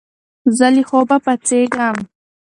زه له خوبه پاڅېږم.